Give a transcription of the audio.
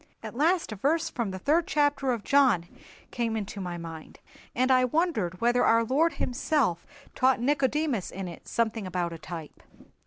At last a verse from the third chapter of John came into my mind, and I wondered whether our Lord Himself taught Nicodemus in it something about a type.